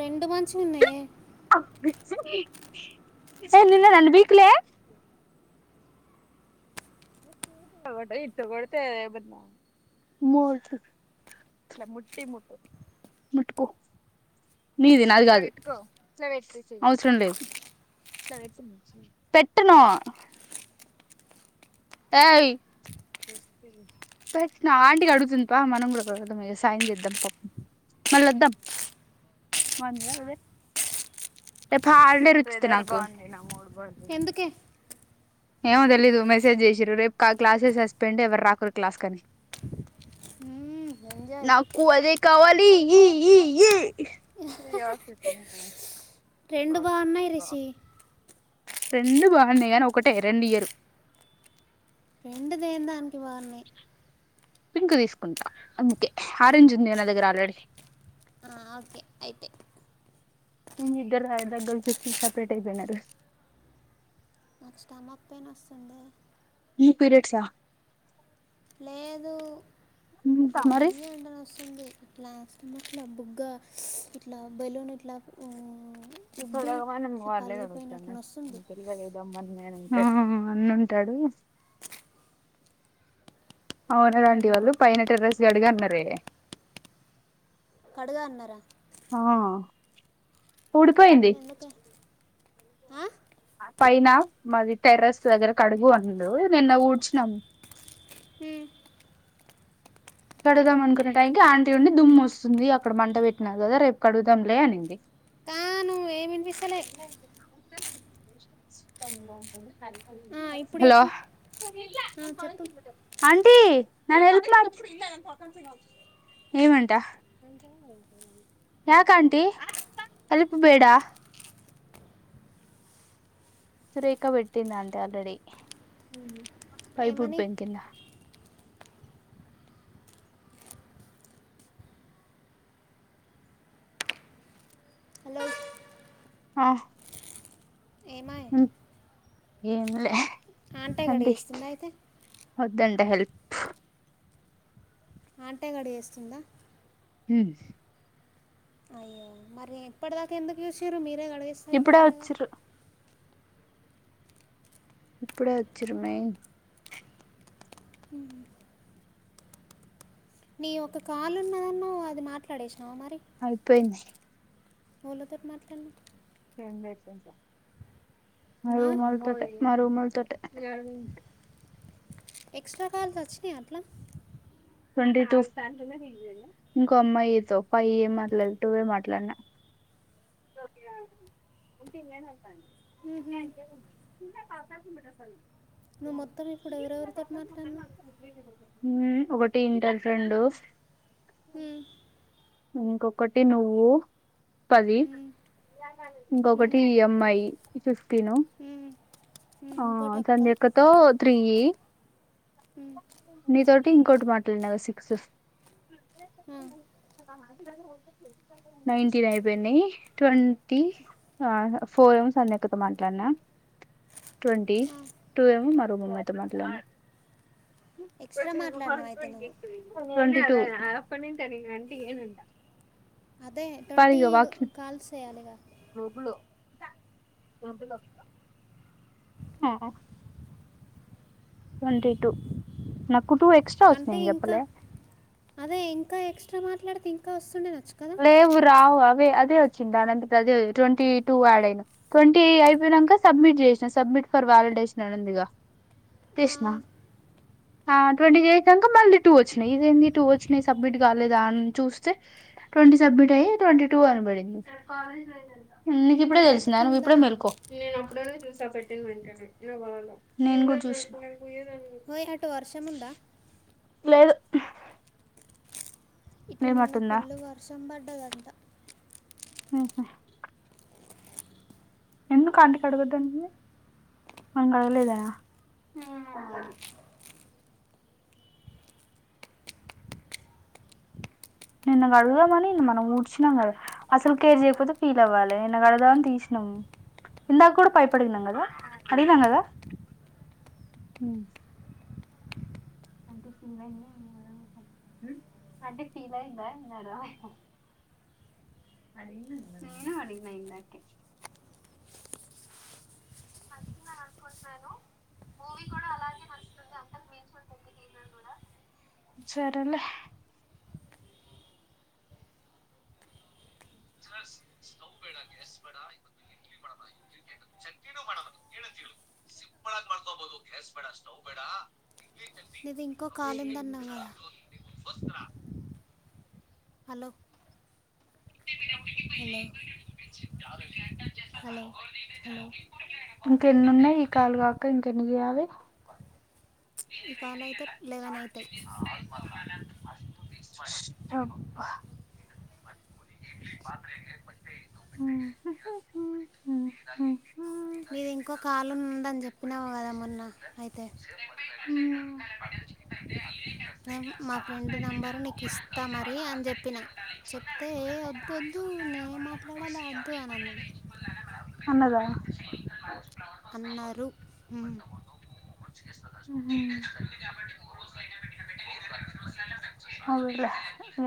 రెండు మంచివి ఉన్నాయే ఏ నిన్న రెండు పీకలే [unintelligible] అవసరం లేదు పెట్టను ఏ పె ఆంటికి అడుగుతుంది పా మనం కూడా క సాయం చేద్దాం పాప మళ్ళీ వద్దాం రేపు హాలిడే రుచితా నాకు ఎందుకే ఏమో తెలీదు మెసేజ్ చేసిారు రేపు క్లాసె సస్పెండ్ ఎవరు రాకురు క్లాస్ కని ఎంజాయ్ నాకు అదే కావాలి [unintelligible] రెండు బావనే అను ఒకటే రెం ఇయరు శివాన్ని పింక్ తీసుకుంటా అందుకే ఆరెంజ్ ఉంది నా దగ్గర ఆల్రెడీ ఓకే అయితే ఇద్దరు దగ్గర చ వచ్చి సపరేట్ అయిపోయినారు నాకు [inaudible] ఈ పీరిడ్స్ ఆ లేదు మరి [inaudible] ఇట్లాష్టమాట్లా బుగ్గ ఇట్లా బెలూన్ ఇట్లా ఉబ్బి ఇట్లా [unintelligible] పలిగిపోయినట్టు వస్తుంది ఆ అన్న ఉంటాడు అవునారంటడి వాళ్ళు పైన టెర్రస్ గడిగా అన్నారే గా అన్నారా ఆ ఊడిపోయింది ఎందుకే ఆ? ఆ పైన మాది టెర్రస్ దగ్గర కడుగు అనిండు నిన్న ఊడ్చిన్నాం. ఉమ్, కడగదాం అనుకునే టైమ్ కి ఆంటీ ఉండి దుమ్ము వస్తుంది అక్కడ మంట పెట్టినారు కదా రేపు కడుగుదాంలే అనింది. కా నువ్వు ఏం [inaudible] వినిపిస్తలే ఆ, ఇప్పుడు హలో చెప్పు ఆ, చెప్పు ఏమంట రాకాంటీ తలుపు బేడా సురేఖ పెట్టిందట ఆల్రెడి పైపు ఏమని ఊడిపోయింది కింద హలో ఆ ఏమాయ్ ఏంలే ఆంటె కడిగేస్తుందా అయితే దండ హెల్ప్ ఆంటె కడిగేస్తుందా ఉమ్మ్ అయ్యో మరి ఎప్పటిదాకా ఎందుకు చూసిర్రు మీరు ఇప్పుడే కడిగేస్తే ఇప్పుడే ఐపోతుందిగా వచ్చిరు ఇప్పుడే వచ్చీర్రు మే నీ ఒక కాల్ ఉన్నదన్నవ్ అది మాట్లాడేసా అయిపోయింది పూల తోటి మాట్లాడినావ్ ఫోన్ చేసివుంచ మరియు మేల్తోటే మా రూముకత్తి మా ఎక్స్ ట్రాకాల్స్చ్చ అలా ఇంకో అమ్మాయితో ఫైవ్ ఏమి మాట్లాడినా టూఏ మాట్లాడినా తొట్టిగ్యాంగ్ ఉంటే నేను ఎల్తా అండి మ్హూ. [unintelligible] తిన్నాక చార్జింగ్ పెట్టేస్తాడు నువ్వు మొత్తం ఇప్పుడు ఎవరెవరితో మాట్లాడినావు [unintelligible] ఉమ్మ్ ఒకటి ఇంటర్ ఫ్రెండు, మ్, ఇంకొకటి నువ్వు పది మ్, ఇంకొకటి మ్, ఈ యమ్ ఐ ఫిఫ్టీను మ్, మ్, ఆ ఇంకోటి అక్క సంధ్యయక్కతో త్రీ య్ మ్, నీతోటి ఇంకోటి మాట్లాడినా కదా సిక్స్ ఆ, నైన్టీన్ అయిపోయినాయి ట్వంటీ ఫోర్ ఏమో సంధ్యక్కతో మాట్లాడినా ట్వంటీ ఆ. టూ ఏమో మా రూమ్ [unintelligible] ఎక్స్ట్రా మాట్లాడినావు అయితే నువ్వు ట్వంటీ టూ అప్పటినుంటి తనకినంటే ఇయానంట అదే ట్వంటీ కాల్స్ చేయ్యాలిగా గ్రూపులో హ ట్వంటీ టూ మొత్ అంటే ఇంకా అదే ఇంకా ఎక్స్ట్రా మా ట్లా డితే ఇంకా వస్తుండేనా లేవు రావు అవే అది వచ్చింది దానంతటాఅదే ట్వంటీ టూ ఆడ్ అయినై ట్వంటీ అయిపోయినంక సబ్మిట్ చేసిన సబ్మిట్ ఫర్ వాలిడేషన్ అని ఉంది గా ఆ, చేసిన ఆ ట్వంటీ చేసినంక మళ్లి టూ వచ్చినయ్ ఇదేందీ టూ వచ్చినయి సబ్మిట్ కాలేదా అని చూస్తే ట్వంటీ సబ్మిట్ అయ్యాయి ట్వంటీ టూ అని పడింది నీకు ఇప్పుడే తర్వాత తెలిసిందా నువ్వు కింద ఇప్పుడే మెలుకో నేను కూడా చూసిన ఒయ్ అటు వర్షముంద లేదు ఇటు నిన్న ఏమట్టుందా ఫుల్ వర్షం పడ్ ఉహు ఎందుకాంటీ కాడగొద్దన్నది మనం కడగలేదు కదా నిన్న కడుగుదామని మనం ఊడ్చినాం కదా అసలు కేర్ చేయకపోతే ఫీల్ అవ్వాలి నిన్న గడదామని తీసినాము ఇందాక కూడా పైపడిగినం కదా అడిగినం కదా అంటే ఫీల్ అయ్యిందా ఎం మరి ఆమె అదెం లేదు గా నేను అడిగిన ఇందకె అని నేను అనుకుంటున్నాను మూవీ కూడా అలాగే నచ్చుతుంది అంతకు మించి డిసర్ కూడా సరేలే [unintelligible] నీది ఇంకో కాలు ఉంది అన్నావు కదా [unintelligible] హలో హలో [inaudible] హలో హలో ఇంకెన్ని ఉన్నాయి ఈ కాలు కాక ఇంకెన్ని చేయాలి ఈ కాలు అయితే లెవెన్ అవుతాయి [unintelligible] [unintelligible] ఉం హు హు హుఁ నీది ఇంకో కలుం ఉందని చెప్పినావు కదా మొన్న అయితే ఉం [unintelligible] నేను మా ఫ్రెండ్ నంబరు నీకు ఇస్తా మరి అని చెప్పిన చెప్తే "ఏ, వద్దు వద్దు నేను మాట్లాడాలి వద్దు అని అన్నాడు [unintelligible] అన్నదా అన్నారు ఉం ఉహుం అవల్రా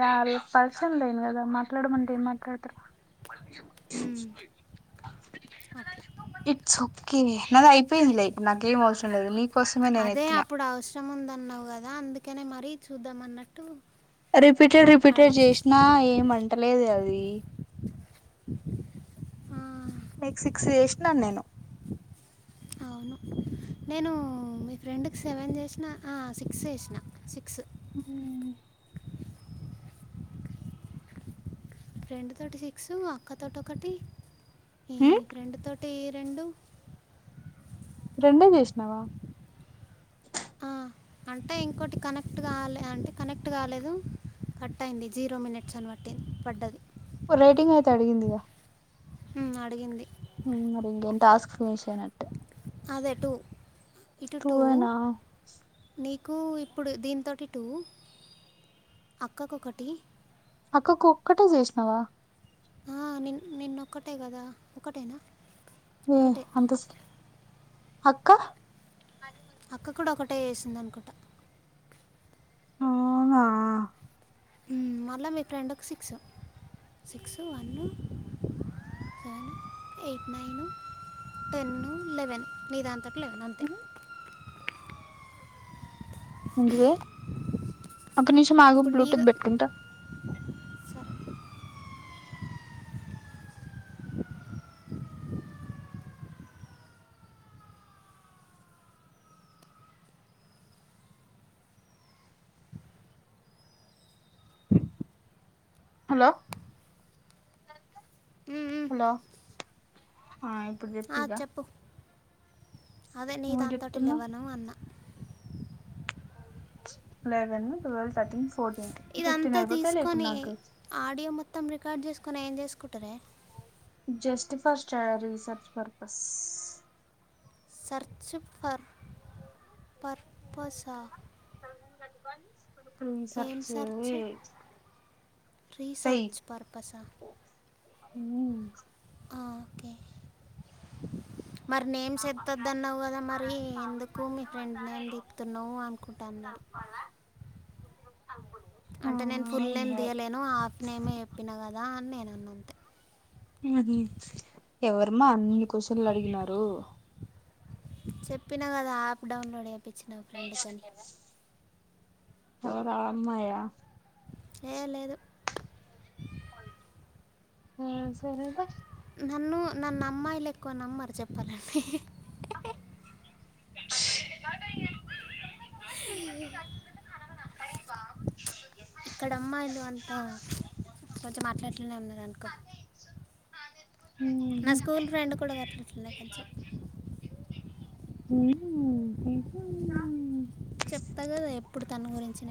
యారు ప కద మాట్లాడమంటే ఎం మాట్లాడుతరు మ్మ్. అట్లా ఇట్స్ ఒకే నాది అయిపోయింది లై ఇప్పుడు నాకేం అవసరం లేదు నీ అదే అప్పుడు అవసరం ఉందన్నావు కదా అందుకనే మరి చూద్దాం అన్నట్టు రిపీటెడ్ రిపీటెడ్ అడిగేసిన చేసినా ఏమంటే ట్టలేదు అది సిక్స్ చేసినాను నేను అవును నేను మీ ఫ్రెండ్ కి సెవెన్ చేసిన ఆ సిక్స్ చేసిన సిక్స్ సిక్స్ హ్మ్ ఫ్రెండ్ తోటి సిక్సు, అక్కతోటి ఒకటి, ఏ ఫ్రెండ్ తో టీ రెండు రెండే జెసినావా ఆ, అంటే ఇంకోటి కనెక్ట్ కాలే, అంటే కనెక్ట్ కాలేదు, కట్ అయింది, జీరో మినిట్స్ అని వట్టింది పడ్డది. రేటింగ్ అయితే అడిగిందిగా, ఉమ్ అడిగింది ఉమ్ [unintelligible] టాస్క్ ఫినిష్ అయినట్ అదే టు, ఇటు టూ నీ కు ఇప్పుడు దీనితోటి టూ, అక్కకొకటి అక్క ఒక్కటే చేసినావా హ నిన్ నిన్నొక్కటే కదా, ఒకటేనా ఏ ఒకటే అంతస్కి అక్క అక్క కూడా ఒకటే ఎసిందానుకుంటా అవునా హ్మ్ మల్ల మీ ఫ్రెండ్ కు six, six, one, seven eight, nine, ten, eleven, నీ దాంతోటి లెవెన్ అంతే, ఇంగువే ఒక్క నిమిషం ఆగు ఇప్పుడు నీది బ్లూటూత్ పెట్టుకుంటా సరే హలో మ్మ్, మ్మ్. హలో ఆ ఇప్పుడు ఆ, చెప్తిగా చెప్పు అదే నీ దాంతోటి లేవను అన్న లెవన్, టువెల్, థర్టిన్ ఫోర్టి ఇదంతా తీసుకొని ఆడియో మొత్తం రికార్డ్ చేసుక కొని ఏం జెసుకుంటారే just for studies search purpose search for పర్పసా [unintelligible] ఏం రీసెర్చ్ సర్చ్, చెయ్ రీసెర్చ్ పర్పసా హ్మ్ ఆ ఓకే మరి నేమ్స్ ఎత్తోద్దన్నావ్ గదా, మరి ఎందుకు మీ ఫ్రెండ్ నేమ్ తిప్తున్నావు అనుకుంట అన్నారు [unintelligible] ఆ అంటే నేను ఫుల్ నేమ్ ఉన్నాయి తీయలేను హాఫ్ నేమే చెప్పిన కదా అని నేన అన్న అంతే ఎవరమా అన్ని క్వశ్చన్లు అడుగుతున్నారు. చెప్పినా కదా యాప్ డౌన్లోడే చెయ్యా మని ఇచ్చిన ఫ్రెండ్కని అ అమ్మాయ ఎ లేేదు ఆ సరే నన్ను నన్ను అమ్మాయిలు ఎక్కువ నమ్మారు చెప్పాలంటే ఎలా ట శ్రేా అరే బా [unintelligible] ఇక్కడ అమ్మాయిలు అంతా కొంచెం అట్లా అట్లానే ఉన్నారు. అనుకో అదే నా స్కూల్ ఫ్రెండ్ కూడా అట్లా అట్లానే కొంచెం చెప్తా కదా ఎప్పుడు తన గురించి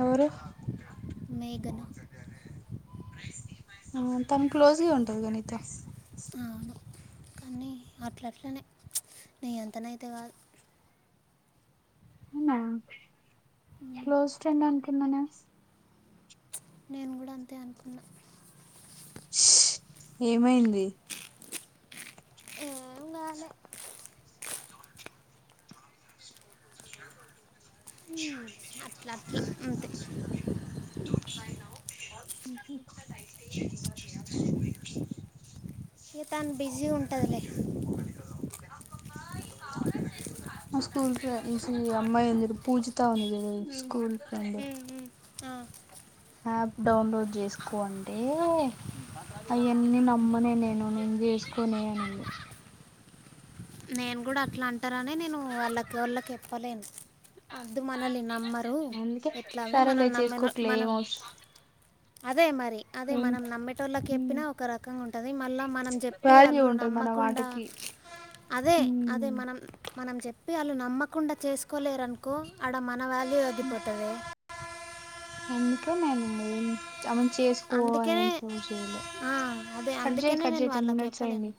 ఎవరు మేఘన ఆ తను క్లోజ్గా ఉంటంది. కదా నీతో అవును కానీ అట్లా అట్లనే నీ అంతనైతే కాదు ఉన్నాయా క్లోజ్ ఫ్రెండ్ అంటున్నా నేన్ నేను కూడా అంతే అనుకున్నా ఏమైంది ఏ ఉన్నాలే అట్లా అట్లా అంతే అయిస్త అదిిక అ ఇక తను బిజీ టైమ్ ఉంటుందిలే న మ నిక క స్కూల్ ఫ్రెండ్ అమ్మాయి [unintelligible] పూజిత ఉంది కదా స్కూల్ ఫ్రెండ్ ఆ, యాప్ డౌన్లోడ్ చేసుకో అంటే అయన్నీ నమ్మనే నేను చేసుకోనే అంది. నేను కూడా అట్లా అంటారనే నేను వాళ్ళక్ వొళ్ళ కీ చెప్పలేదు. వద్దు మనల్ని నమ్మరు అందుకే ఎట్లాగో సరేలే మనం నమ్మిన చేసుకోకులే ఏం మనం అవస అదే మరి అదే ఏం మనం నమ్మేటోళ్ళకి చెప్పినా ఒక రకంగా ఉంటంది. మళ్ళా మనం చెప్పి వాల్యూ అల్లు ఉంటది మన నమ్మకుండా వాటకి అదే మనం మనం చెప్పి వాళ్ళు నమ్మకుండా చేసుకోలేరునుకో అడ మనం నా వాల్యూ ఏది పోతవే ఎందుకే నే నిన్న విన్ చామన్ చేసుకోవాలి అందుకనే ఫోర్ చేయలే ఆ, అదే కట్ చేయి అందుకనే కట్ నేను చేయి టెన్ వాళ్ళకి మినిట్స్ చెప్పలేను అయింది